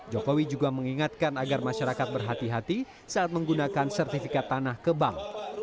jokowi juga mengingatkan agar masyarakat berhati hati saat menggunakan sertifikat tanah ke bank